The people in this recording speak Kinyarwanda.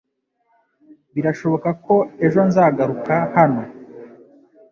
Birashoboka ko ejo nzagaruka hano.